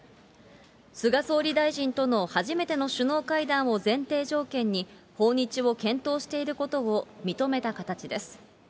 菅総理大臣との初めての首脳会談を前提条件に、訪日を検討していることを認めた形です。